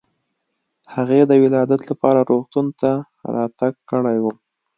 هغې د ولادت لپاره روغتون ته راتګ کړی و.